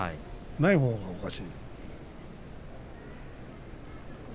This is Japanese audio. ないほうがおかしい。